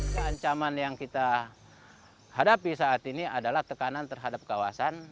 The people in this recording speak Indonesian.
keancaman yang kita hadapi saat ini adalah tekanan terhadap kawasan